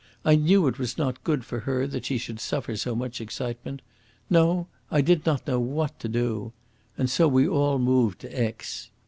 I knew it was not good for her that she should suffer so much excitement. No, I did not know what to do. And so we all moved to Aix."